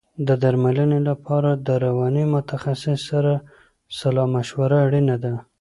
د درملنې لپاره د رواني متخصص سره سلا مشوره اړینه ده.